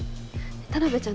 田辺ちゃん